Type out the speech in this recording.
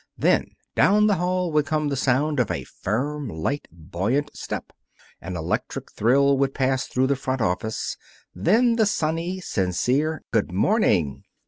Then, down the hall, would come the sound of a firm, light, buoyant step. An electric thrill would pass through the front office. Then the sunny, sincere, "Good morning!"